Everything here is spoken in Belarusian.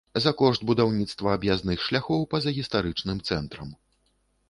За кошт будаўніцтва аб'яздных шляхоў па-за гістарычным цэнтрам.